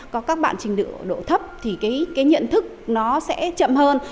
có các bạn trình độ thấp thì cái nhận thức nó sẽ chậm hơn